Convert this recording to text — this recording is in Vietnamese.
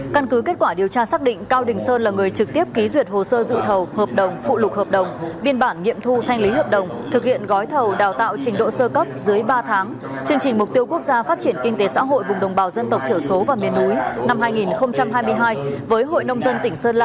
căn cứ kết quả điều tra xác định cao đình sơn là người trực tiếp ký duyệt hồ sơ dự thầu hợp đồng phụ lục hợp đồng biên bản nghiệm thu thanh lý hợp đồng thực hiện gói thầu đào tạo trình độ sơ cấp dưới ba tháng chương trình mục tiêu quốc gia phát triển kinh tế xã hội vùng đồng bào dân tộc thiểu số và miền núi năm hai nghìn hai mươi hai với hội nông dân tỉnh sơn la